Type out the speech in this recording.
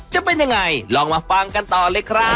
จะเป็นยังไงลองมาฟังกันต่อเลยครับ